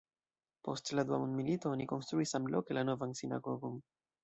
Post la Dua mondmilito oni konstruis samloke la Novan sinagogon.